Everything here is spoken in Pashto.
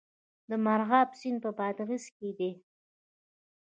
د مرغاب سیند په بادغیس کې دی